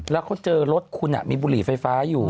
แล้วเขาเจอรถคุณมีบุหรี่ไฟฟ้าอยู่